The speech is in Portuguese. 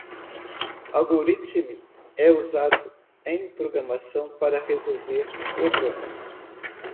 Algorithm é usado em programação para resolver problemas.